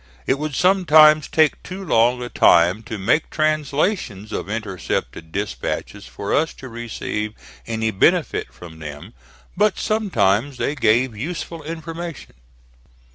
It would sometimes take too long a time to make translations of intercepted dispatches for us to receive any benefit from them. But sometimes they gave useful information.